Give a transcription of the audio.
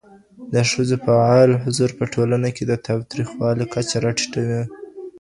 د ښځو فعال حضور په ټولنه کي د تاوتریخوالي کچه راټیټوي